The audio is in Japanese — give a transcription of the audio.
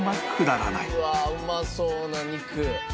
うわっうまそうな肉。